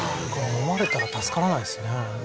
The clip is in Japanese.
のまれたら助からないですね。